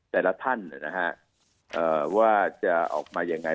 แต่ละท่านนะครับว่าจะออกมาอย่างไร